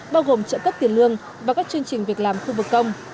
bao gồm trợ cấp tiền lương và các chương trình việc làm khu vực công